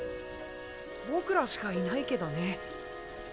僕らしかいないけどね。